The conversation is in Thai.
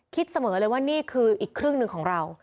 คิดเสมอเลยว่านี่คืออีกครึ่งหนึ่งของเรา